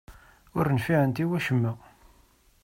Ur nfiɛent i wacemma.